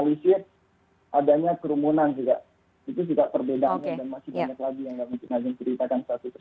itu juga perbedaannya dan masih banyak lagi yang ingin saya ceritakan satu persatu